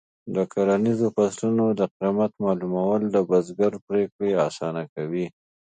د کرنیزو فصلونو د قیمت معلومول د بزګر پریکړې اسانه کوي.